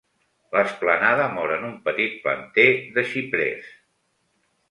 L'esplanada mor en un petit planter de xiprers.